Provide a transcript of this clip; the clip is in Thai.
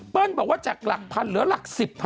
เปิ้ลบอกว่าจากหลักพันธุ์เหลือหลักสิบ